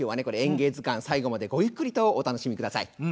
これ「演芸図鑑」最後までごゆっくりとお楽しみください。